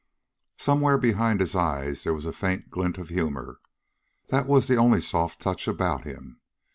Somewhere behind his eyes there was a faint glint of humor. That was the only soft touch about him.